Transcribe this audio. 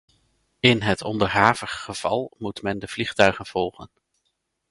In het onderhavig geval moet men de vliegtuigen volgen.